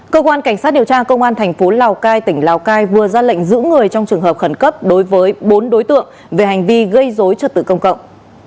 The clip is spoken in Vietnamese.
cơ quan cảnh sát điều tra công an thành phố lào cai tỉnh lào cai vừa ra lệnh giữ người trong trường hợp khẩn cấp đối với bốn đối tượng về hành vi gây dối trật tự công cộng